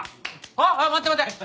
あっ待って待って！